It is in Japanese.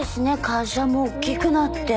会社もおっきくなって。